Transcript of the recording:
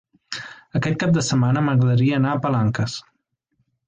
Aquest cap de setmana m'agradaria anar a Palanques.